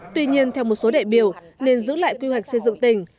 tuy nhiên theo một số đại biểu nên giữ lại quy hoạch xây dựng tỉnh